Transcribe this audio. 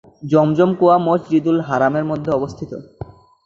জমজম কুয়া মসজিদুল হারামের মধ্যে অবস্থিত।